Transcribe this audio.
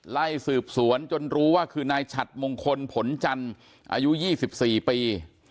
ไล่สืบสวนจนรู้ว่าคือนายฉัดมงคลผลจันทร์อายุ๒๔ปี